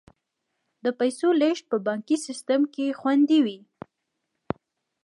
د پیسو لیږد په بانکي سیستم کې خوندي وي.